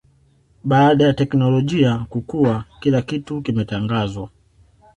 baada ya teknolojia kukua kila kitu kimetangazwa